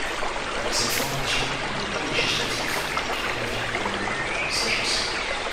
Avec cette formulation, il n’est pas législatif ! Quel est l’avis du Gouvernement ? Sagesse.